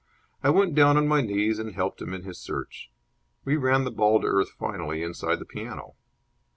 I went down on my knees and helped him in his search. We ran the ball to earth finally inside the piano.